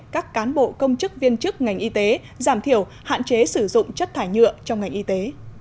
các cán bộ công chức viên chức ngành y tế giảm thiểu hạn chế sử dụng chất thải nhựa trong ngành y tế